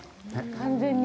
完全に。